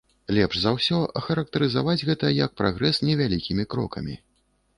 Лепш за ўсё ахарактарызаваць гэта як прагрэс невялікімі крокамі.